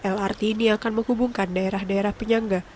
lrt ini akan menghubungkan daerah daerah penyangga